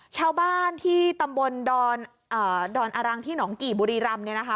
ชาวบ้านที่ตำบลดอนอ่าดอนอารังที่หนองกี่บุรีรำเนี่ยนะคะ